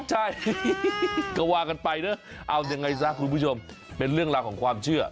ใช่ก็ว่ากันไปเนอะเอายังไงซะคุณผู้ชมเป็นเรื่องราวของความเชื่อ